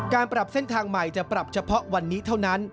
ปรับเส้นทางใหม่จะปรับเฉพาะวันนี้เท่านั้น